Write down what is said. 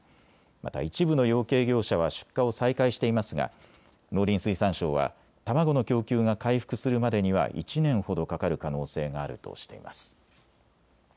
また一部の養鶏業者は出荷を再開していますが農林水産省は卵の供給が回復するまでには１年ほどかかる可能性があるとしています。